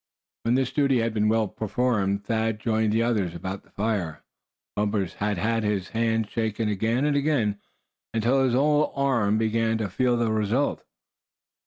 When this duty had been well performed, Thad joined the others about the fire. Bumpus had had his hand shaken again and again until his whole arm began to feel the result.